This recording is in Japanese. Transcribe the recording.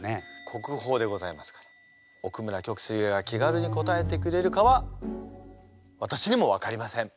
国宝でございますから奥村旭翠が気軽に答えてくれるかは私にも分かりません。